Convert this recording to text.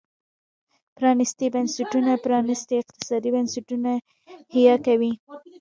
پرانيستي بنسټونه پرانيستي اقتصادي بنسټونه حیه کوي.